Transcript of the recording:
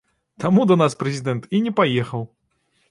Таму да нас прэзідэнт і не паехаў!